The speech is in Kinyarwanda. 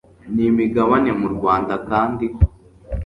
n imigabane mu rwanda kandi